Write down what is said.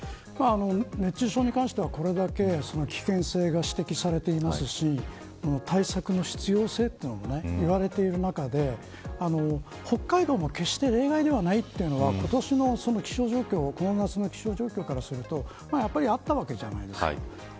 熱中症に関してはこれだけ危険性が指摘されていますし対策の必要性も言われている中で北海道も決して例外ではないというのは今年の夏の気象状況からするとあったわけじゃないですか。